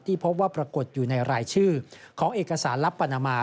พบว่าปรากฏอยู่ในรายชื่อของเอกสารลับปานามา